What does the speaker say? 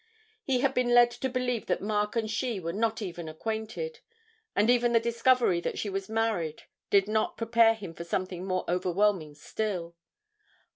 He had been led to believe that Mark and she were not even acquainted, and even the discovery that she was married did not prepare him for something more overwhelming still.